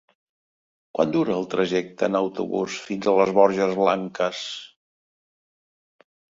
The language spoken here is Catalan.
Quant dura el trajecte en autobús fins a les Borges Blanques?